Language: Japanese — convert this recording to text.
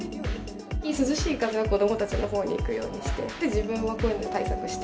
涼しい風は子どもたちのほうに行くようにして、で、自分はこういうので対策して。